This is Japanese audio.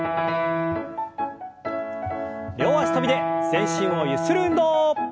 両脚跳びで全身をゆする運動。